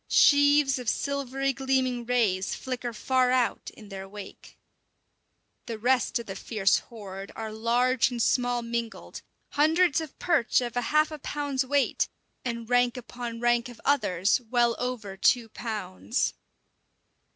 Sheaves of silvery gleaming rays flicker far out in their wake. The rest of the fierce horde are large and small mingled hundreds of perch of half a pound's weight, and rank upon rank of others well over two pounds.